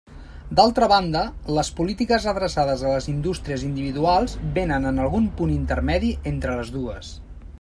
D'altra banda, les polítiques adreçades a les indústries individuals vénen en algun punt intermedi entre les dues.